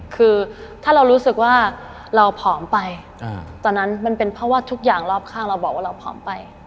คือถ้าเรารู้สึกว่าเราผอมไปตอนนั้นมันเป็นเพราะว่าทุกอย่างรอบข้างเราบอกว่าเราผอมไป